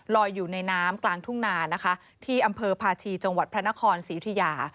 อยู่ในน้ำกลางทุ่งนานะคะที่อำเภอพาชีจังหวัดพระนครศรียุธิยา